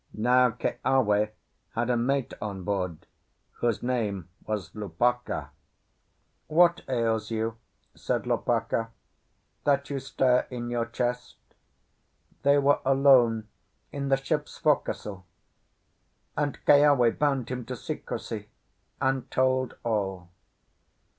Now Keawe had a mate on board whose name was Lopaka. "What ails you?" said Lopaka, "that you stare in your chest?" They were alone in the ship's forecastle, and Keawe bound him to secrecy, and told all.